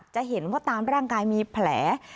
จะเห็นว่าตามร่างกายมีแผล